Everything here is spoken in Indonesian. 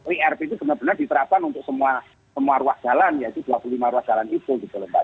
irp itu benar benar diterapkan untuk semua ruas jalan yaitu dua puluh lima ruas jalan itu gitu loh mbak